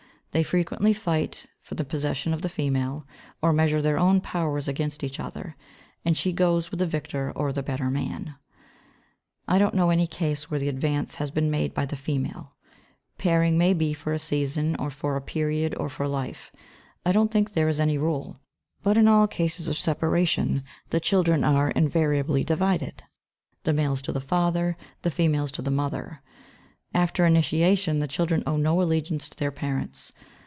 They frequently fight for the possession of the female, or measure their powers against each other; and she goes with the victor or the better man. I don't know any case where the advance has been made by the female. Pairing may be for a season or for a period or for life. I don't think there is any rule; but in all cases of separation the children are invariably divided the males to the father, the females to the mother. After initiation the children owe no allegiance to their parents.